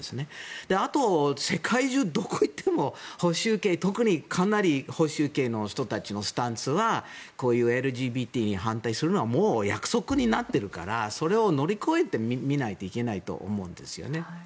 あと、世界中どこ行っても特に保守系の人たちのスタンスがこういうＬＧＢＴに反対するのはもう約束になっているからそれを乗り越えてみないといけないと思うんですよね。